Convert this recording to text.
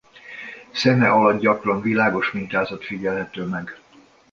Szeme alatt gyakran világos mintázat figyelhető meg.